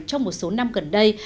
trong một số năm gần đây